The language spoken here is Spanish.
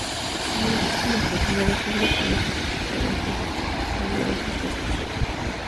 Sus ingresos como funcionario público no justificaban tan onerosos gastos.